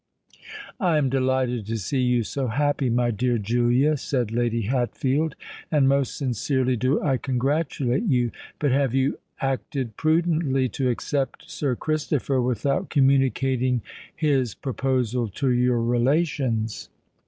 "I am delighted to see you so happy, my dear Julia," said Lady Hatfield; "and most sincerely do I congratulate you. But have you acted prudently to accept Sir Christopher without communicating his proposal to your relations?"